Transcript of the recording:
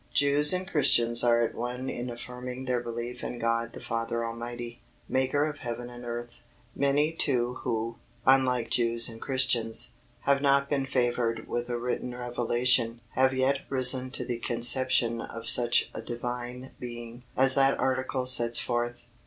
Jews and Christians are at one in affirming their belief in God the Father Almighty, Maker of heaven and earth. Many too who, unlike Jews and Christians, have not been favoured with a written revelation, have yet risen to the conception of such a Divine Being as that article sets forth.